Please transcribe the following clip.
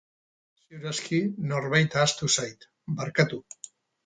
Ziur aski, norbait ahaztu zait, barkatu.